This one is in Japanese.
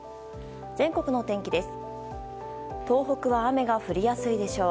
全国の天気です。